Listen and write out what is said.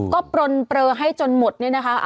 ก็ปลนเปลือให้จนหมดเนี่ยนะคะ